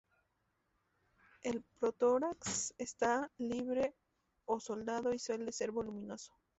El protórax está libre o soldado y suele ser voluminoso.